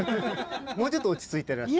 もうちょっと落ち着いてらっしゃる？